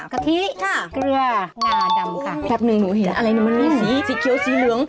กะทิค่ะเกลืองาดำค่ะแป๊บนึงหนูเห็นอะไรมันมีสีสีเขียวสีเหลือง